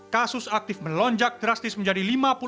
kasus aktif melonjak drastis menjadi lima